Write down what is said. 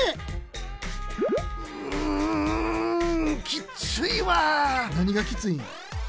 きっついわなにがきついん？